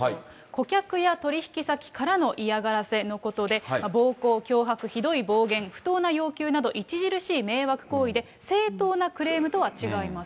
顧客や取り引き先からの嫌がらせのことで、暴行、脅迫、ひどい暴言、不当な要求など著しい迷惑行為で正当なクレームとは違います。